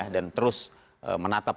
dan terus menatap